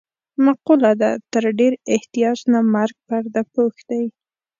مقوله ده: تر ډېر احتیاج نه مرګ پرده پوښ دی.